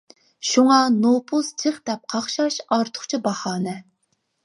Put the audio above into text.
شۇڭا نوپۇس جىق دەپ قاقشاش ئارتۇقچە باھانە.